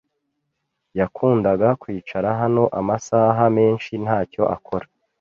Yakundaga kwicara hano amasaha menshi ntacyo akora.